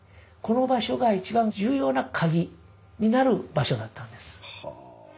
この場所が一番重要なカギになる場所だったんです。